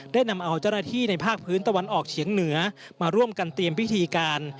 ได้นำเอาเจ้าหน้าที่ในภาคพื้นตะวันออกเฉียงเหนือมาร่วมกันเตรียมพิธีการ